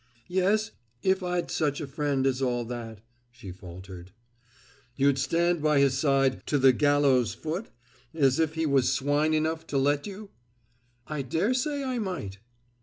"Yes, if I'd such a friend as all that," she faltered. "You'd stand by his side 'to the gallows foot' if he was swine enough to let you?" "I dare say I might."